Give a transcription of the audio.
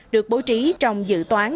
được bố trí trong dự toán